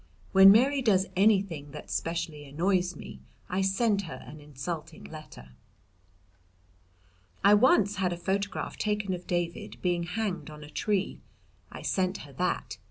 When Mary does anything that specially annoys me I send her an insulting letter. I once had a photograph taken of David being hanged on a tree. I sent her that.